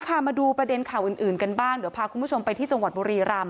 มาดูประเด็นข่าวอื่นกันบ้างเดี๋ยวพาคุณผู้ชมไปที่จังหวัดบุรีรำ